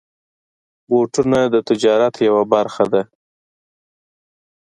بوټونه د تجارت یوه برخه ده.